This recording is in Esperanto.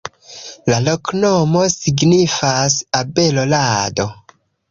La loknomo signifas: abelo-rado.